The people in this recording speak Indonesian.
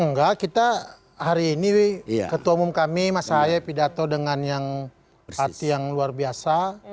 enggak kita hari ini ketua umum kami mas haye pidato dengan yang hati yang luar biasa